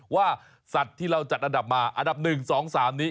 ว่าสัตว์ที่เราจัดอันดับมาอันดับ๑๒๓นี้